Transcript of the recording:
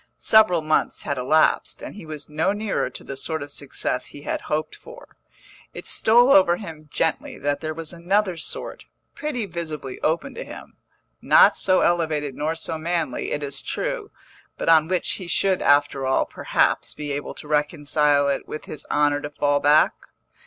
Several months had elapsed, and he was no nearer to the sort of success he had hoped for. It stole over him gently that there was another sort, pretty visibly open to him, not so elevated nor so manly, it is true, but on which he should after all, perhaps, be able to reconcile it with his honour to fall back.